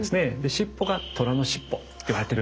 尻尾が虎の尻尾といわれてるんです。